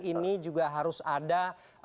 ini juga harus ada